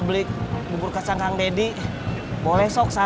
makan bubur kacang hijau gua aja